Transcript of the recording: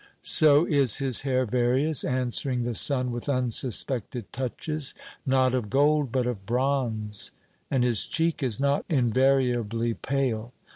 So is his hair various, answering the sun with unsuspected touches, not of gold but of bronze. And his cheek is not invariably pale.